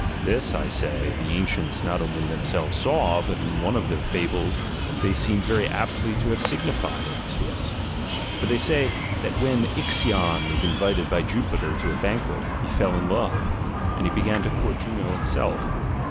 This, I say, the ancients not only themselves saw, but iu one of their fables they seem very aptly to have signified it to us. For they say, that when Ixion was invited by Jupiter to a banquet, he fell in love, and began to court Juno herself.